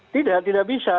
tidak tidak bisa